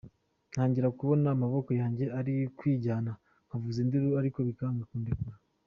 Ntangira kubona amaboko yanjye ari kwijyana nkavuza induru ariko bikanga kundekura.